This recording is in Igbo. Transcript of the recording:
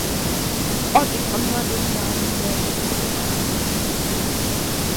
Ọ dị ka mmadụ ịma mmọnwụ n'ala Igbo